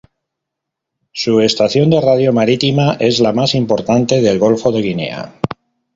Su estación de radio marítima es la más importante del Golfo de Guinea.